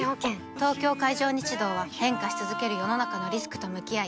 東京海上日動は変化し続ける世の中のリスクと向き合い